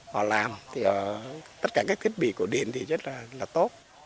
họ làm thì tất cả các thiết bị của điện thì rất là tốt